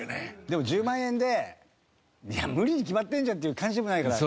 でも１０万円で無理に決まってるじゃんっていう感じでもないから。